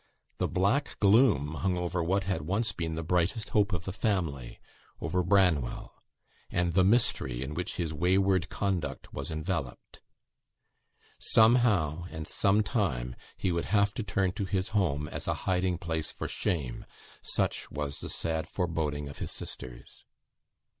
The black gloom hung over what had once been the brightest hope of the family over Branwell, and the mystery in which his wayward conduct was enveloped. Somehow and sometime, he would have to turn to his home as a hiding place for shame; such was the sad foreboding of his sisters.